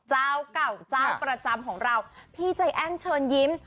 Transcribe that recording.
เจ้าเก่าเจ้าประจำของเราพี่ใจแอ้นเชิญยิ้ม